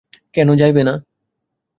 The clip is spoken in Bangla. কেন যাইবে না।